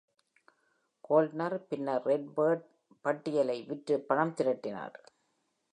கோல்ட்னர் பின்னர் red bird பட்டியலை விற்று பணம் திரட்டினார்.